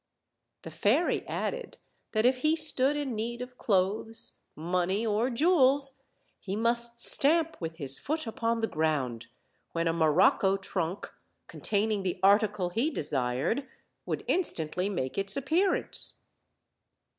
The fairy added that if he stood in need of clothes, money, or jewels, he must stamp with his foot upon the ground, when a morocco trunk, containing the article he desired, would instantly make its appearance.